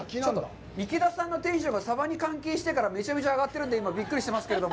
池田さんのテンションがサバに関係してからめちゃめちゃ上がってるんで、今びっくりしてますけど。